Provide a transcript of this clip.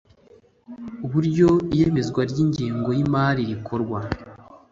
Uburyo iyemezwa ry ingengo y imari rikorwa